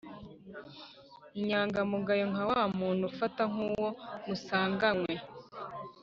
inyangamugayo, nka wa muntu ufata nk'uwo musanganywe